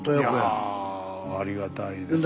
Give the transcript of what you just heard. いやありがたいですね。